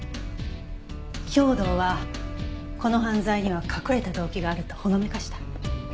兵働はこの犯罪には隠れた動機があるとほのめかした。